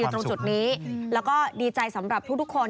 ตรงจุดนี้แล้วก็ดีใจสำหรับทุกคน